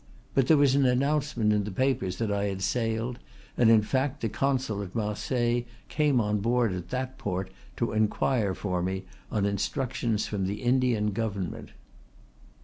But there was an announcement in the papers that I had sailed, and in fact the consul at Marseilles came on board at that port to inquire for me on instructions from the Indian Government."